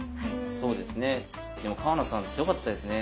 そうですねでも川名さん強かったですね。